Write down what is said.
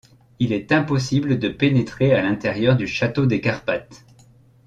Il est impossible de pénétrer à l’intérieur du château des Carpathes.